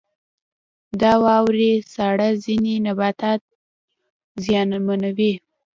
• د واورې ساړه ځینې نباتات زیانمنوي.